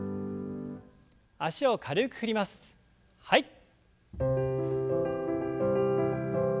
はい。